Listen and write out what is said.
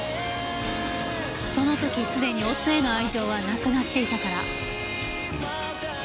その時すでに夫への愛情はなくなっていたから。